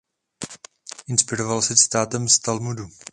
Inspiroval se citátem z Talmudu.